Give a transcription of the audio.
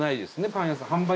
パン屋さん販売？